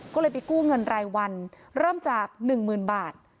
ก็เลยไปกู้เงินรายวันเริ่มจาก๑๐๐๐บาท